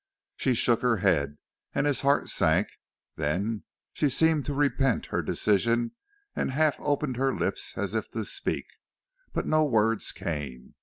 She shook her head, and his heart sank; then she seemed to repent her decision and half opened her lips as if to speak, but no words came.